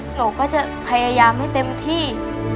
หนูก็จะพยายามให้เต็มที่